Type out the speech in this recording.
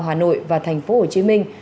hà nội và thành phố hồ chí minh